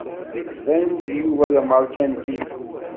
Yettban-d Yuba d amerkanti.